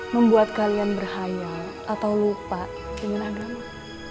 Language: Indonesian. membuat kalian berhayal atau lupa ingin agama